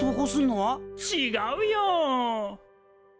ちがうよ！